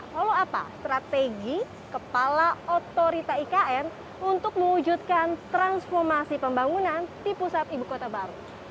lalu apa strategi kepala otorita ikn untuk mewujudkan transformasi pembangunan di pusat ibu kota baru